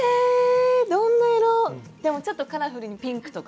でもちょっとカラフルにピンクとか。